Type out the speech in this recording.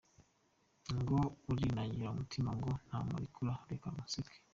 Ngo urinangira umutima ngo ntumurekura, reka kunsetsa!